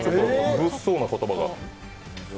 物騒な言葉が。